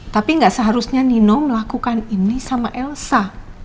tapi nggak seharusnya nino melakukan ini sama elsa